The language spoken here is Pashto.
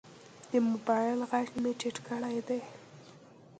د موبایل غږ مې ټیټ کړی دی.